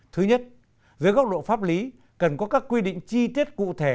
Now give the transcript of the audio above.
thứ nhất dưới góc độ pháp lý cần có các quy định chi tiết cụ thể